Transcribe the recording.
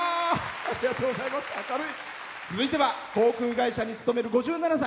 続いては航空会社に勤める５７歳。